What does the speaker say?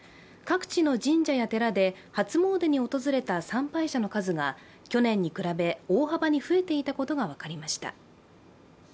各地の神社や寺で初詣に訪れた参拝者の数が去年に比べ大幅に増えていたことが分かりました。